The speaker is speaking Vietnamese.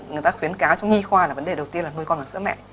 người ta khuyến cáo trong nghi khoa là vấn đề đầu tiên là nuôi con vào sữa mẹ